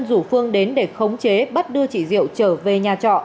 rủ phương đến để khống chế bắt đưa chị diệu trở về nhà trọ